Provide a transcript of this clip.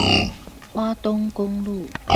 花東公路